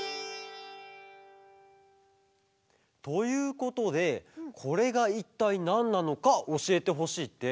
ということでこれがいったいなんなのかおしえてほしいって。